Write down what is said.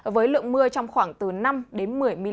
với lượng mưa trong khoảng từ năm một mươi mm